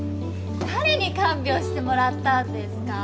誰に看病してもらったんですか？